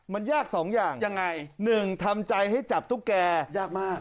มันยากสองอย่างยังไงหนึ่งทำใจให้จับตุ๊กแกยากมาก